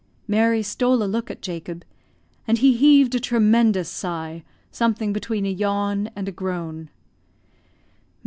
Mary stole a look at Jacob, and he heaved a tremendous sigh, something between a yawn and a groan.